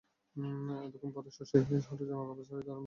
এতক্ষণ পরে শশী হঠাৎ জামাকাপড় ছাড়িতে আরম্ভ করিল।